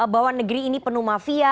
bahwa negeri ini penuh mafia